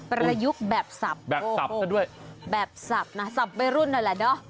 ประยุกต์แบบสับแบบสับซะด้วยแบบสับนะสับวัยรุ่นนั่นแหละเนอะ